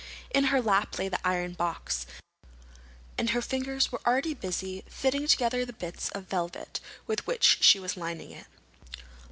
In her lap lay the iron box, and her fingers were already busy fitting together the bits of velvet with which she was lining it.